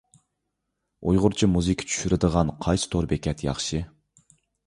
ئۇيغۇرچە مۇزىكا چۈشۈرىدىغانغا قايسى تور بېكەت ياخشى؟